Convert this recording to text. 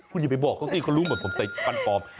คุณอย่าไปบอกเขาสิเขารู้เหมือนผมใส่ฟันปลอม